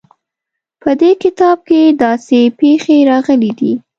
په دې کتاب کې داسې پېښې راغلې دي.